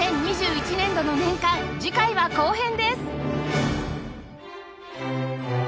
２０２１年度の年鑑次回は後編です